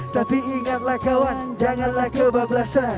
tapi ingatlah kawan janganlah kebablasan